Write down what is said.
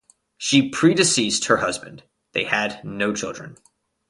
She predeceased her husband; they had no children.